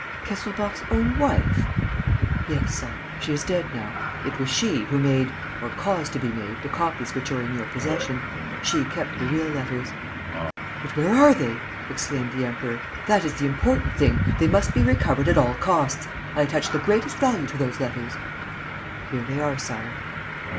"Kesselbach's own wife?" "Yes, Sire. She is dead now. It was she who made or caused to be made the copies which are in your possession. She kept the real letters." "But where are they?" exclaimed the Emperor. "That is the important thing! They must be recovered at all costs! I attach the greatest value to those letters. ..." "Here they are, Sire."